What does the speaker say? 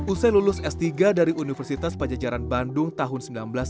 usai lulus s tiga dari universitas pajajaran bandung tahun seribu sembilan ratus sembilan puluh